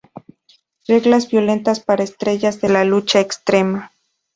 Reglas violentas para estrellas de la lucha extrema.